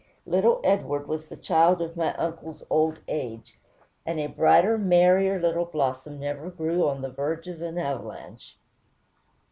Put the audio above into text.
Little Edward was the child of my uncle's old age, and a brighter, merrier little blossom never grew on the verge of an avalanche.